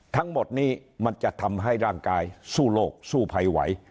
ทั้งหมดนี้มันจะทำให้ร่างกายสู้โรคสู้ภัยไหว